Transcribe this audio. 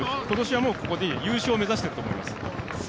今年は優勝を目指していると思います。